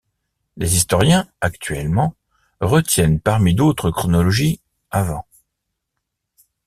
Les historiens, actuellement, retiennent, parmi d'autres chronologies, av.